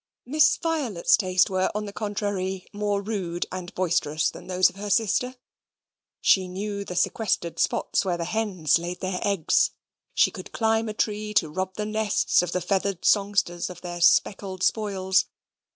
Miss Violet's tastes were, on the contrary, more rude and boisterous than those of her sister. She knew the sequestered spots where the hens laid their eggs. She could climb a tree to rob the nests of the feathered songsters of their speckled spoils.